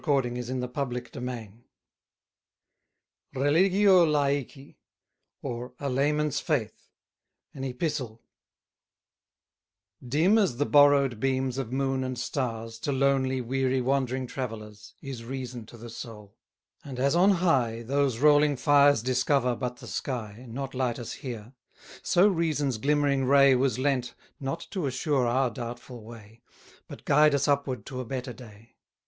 A man is to be cheated into passion, but to be reasoned into truth. Dim as the borrow'd beams of moon and stars To lonely, weary, wandering travellers, Is reason to the soul: and as on high, Those rolling fires discover but the sky, Not light us here; so reason's glimmering ray Was lent, not to assure our doubtful way, But guide us upward to a better day.